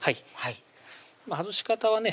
外し方はね